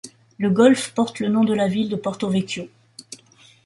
Le golfe porte le nom de la ville de Porto-Vecchio.